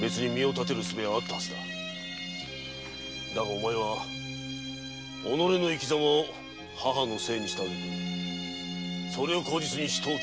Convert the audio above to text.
だがお前は己の生きざまを母のせいにしたあげくそれを口実に人を斬る！